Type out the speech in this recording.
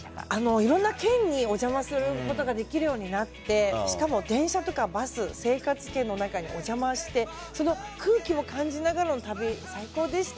いろんな県にお邪魔することができるようになってしかも電車とかバス生活圏の中にお邪魔してその空気も感じながらの旅最高でした。